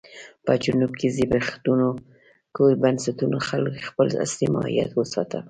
په جنوب کې زبېښونکو بنسټونو خپل اصلي ماهیت وساته.